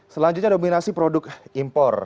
selanjutnya dominasi produk impor